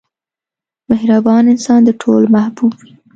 • مهربان انسان د ټولو محبوب وي.